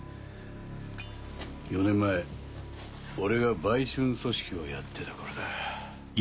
４年前俺が売春組織をやってた頃だ。